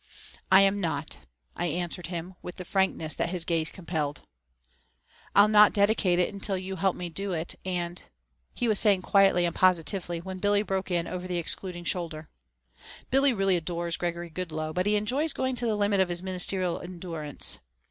"I am not," I answered him with the frankness that his gaze compelled. "I'll not dedicate it until you help me do it and " he was saying quietly and positively, when Billy broke in over the excluding shoulder. Billy really adores Gregory Goodloe, but he enjoys going to the limit of his ministerial endurance.